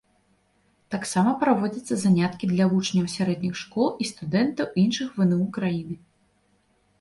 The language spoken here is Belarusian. Таксама праводзяцца заняткі для вучняў сярэдніх школ і студэнтаў іншых вну краіны.